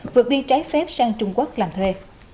vượt đi trái phép sang trung quốc làm thuê